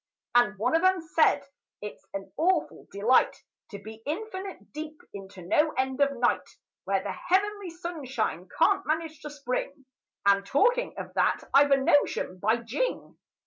And one of 'em said, "It's an awful delight To be infinite deep into no end of night, Where the heavenly sunshine can't manage to spring,— And, talking of that, I've a notion, by Jing!